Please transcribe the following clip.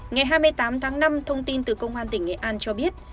ngày hai mươi tám tháng năm thông tin từ công an tỉnh nghệ an cho biết